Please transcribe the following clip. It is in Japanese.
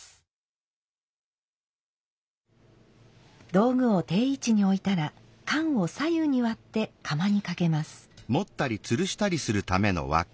道具を定位置に置いたら鐶を左右に割って釜にかけます。